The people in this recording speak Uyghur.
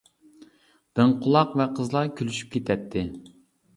دىڭ قۇلاق ۋە قىزلار كۈلۈشۈپ كېتەتتى.